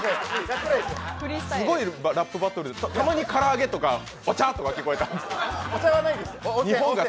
すごいラップバトルたまにから揚げとかお茶とか聞こえたんですが。